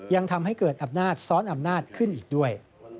ยังทำให้เกิดอำนาจซ้อนอำนาจขึ้นอีกด้วย